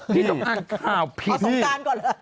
พี่ต้องอ่านข่าวพี่พี่เอาสงการก่อน